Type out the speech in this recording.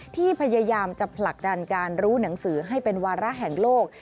ที่พยายามจะผลักดันการรู้หนังสือให้เป็นวาระแห่งโลก